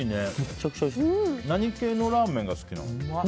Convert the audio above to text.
何系のラーメンが好きなの？